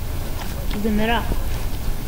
Zemreɣ?